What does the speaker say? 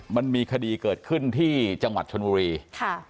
มันมีคดีเกิดขึ้นที่จังหวัดชนบุรีค่ะ